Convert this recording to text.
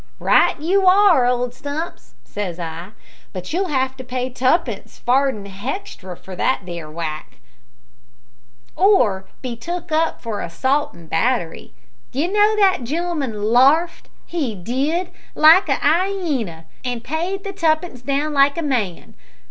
`Right you are, old stumps,' says I, `but you'll have to pay tuppence farden hextra for that there whack, or be took up for assault an' battery.' D'you know that gen'leman larfed, he did, like a 'iaena, an' paid the tuppence down like a man.